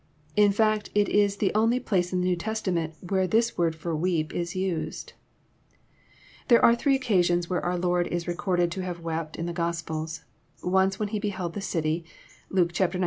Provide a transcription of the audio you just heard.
In fact it is the only place in the New Testament where this word for « weep is nded. There are three occasions where our Lord is recorded to have wept, in the Gospels : once when he beheld the city, (Luke xix.